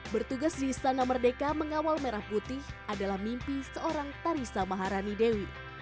bertugas di istana merdeka mengawal merah putih adalah mimpi seorang tarisa maharani dewi